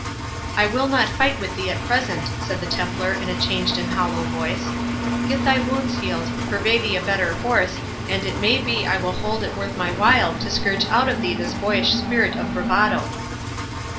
"I will not fight with thee at present," said the Templar, in a changed and hollow voice. "Get thy wounds healed, purvey thee a better horse, and it may be I will hold it worth my while to scourge out of thee this boyish spirit of bravado."